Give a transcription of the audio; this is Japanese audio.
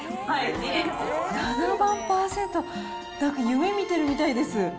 ７万％、なんか夢見てるみたいです。